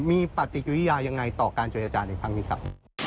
มีปฏิกิริยายังไงต่อการเจรจาในครั้งนี้ครับ